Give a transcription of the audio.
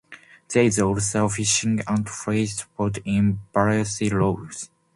There is also a fishing and freight port in barangay Looc.